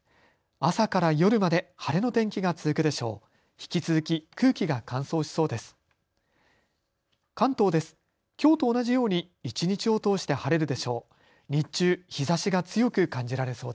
朝から夜まで晴れの天気が続くでしょう。